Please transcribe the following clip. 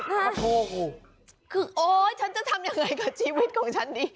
โอ้โหคือโอ๊ยฉันจะทำยังไงกับชีวิตของฉันดี